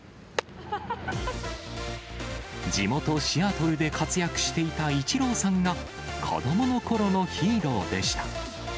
地元シアトルで活躍していたイチローさんが、子どものころのヒーローでした。